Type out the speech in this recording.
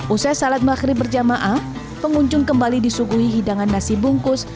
usai salat maghrib berjamaah pengunjung kembali disuguhi hidangan nasi bungkus